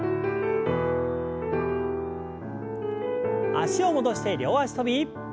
脚を戻して両脚跳び。